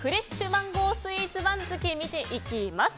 マンゴースイーツ番付見ていきます。